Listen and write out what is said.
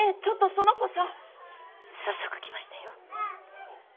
ちょっとその子さ早速来ましたよ